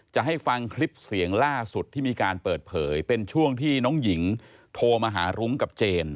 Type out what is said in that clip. จะให้ฟังคลิปเสียงล่าสุดที่มีการเปิดเผยเป็นช่วงที่น้องหญิงโทรมาหารุ้งกับเจน